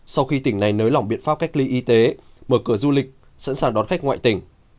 sau khi tỉnh này nới lỏng biện pháp cách ly y tế mở cửa du lịch sẵn sàng đón khách ngoại tỉnh